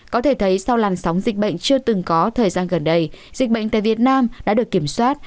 có thể thấy sau làn sóng dịch bệnh chưa từng có thời gian gần đây dịch bệnh tại việt nam đã được kiểm soát